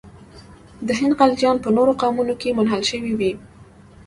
د هند خلجیان په نورو قومونو کې منحل شوي وي.